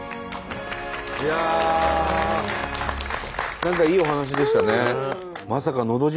何かいいお話でしたね。